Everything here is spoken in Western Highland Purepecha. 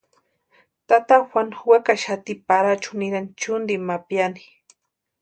Tata Juanu wekaxati Parachu nirani chʼunti ma piani.